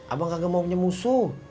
abang kagak mau punya musuh